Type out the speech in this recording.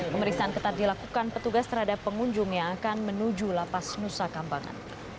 pemeriksaan ketat dilakukan petugas terhadap pengunjung yang akan menuju lapas nusa kambangan